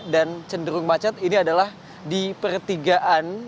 dan cenderung macet ini adalah di pertigaan